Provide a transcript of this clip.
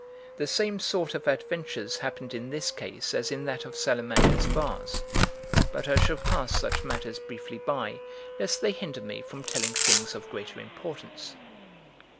The same sort of adventures happened in this case as in that of Salamanca's vase. But I shall pass such matters briefly by, lest they hinder me from telling things of greater importance.